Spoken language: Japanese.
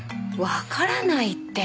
わからないって。